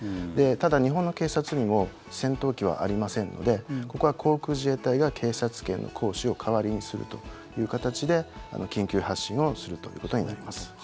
ただ、日本の警察にも戦闘機はありませんのでここは航空自衛隊が警察権の行使を代わりにするという形で緊急発進するということになります。